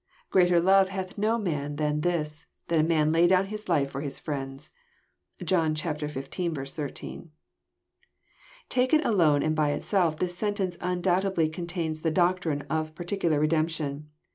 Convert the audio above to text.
"Greater love hath no man than this, that a man lay down his life for his friends." (John xv. 13.) Taken alone and by itself this sentence undoubtedly contains the doctrine of particular redemption.